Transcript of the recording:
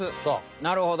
なるほど。